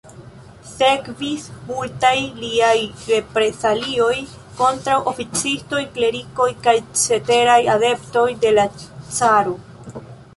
Sekvis multaj liaj reprezalioj kontraŭ oficistoj, klerikoj kaj ceteraj adeptoj de la caro.